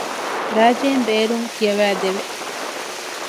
ރާއްޖެއިން ބޭރުން ކިޔަވައިދެވެ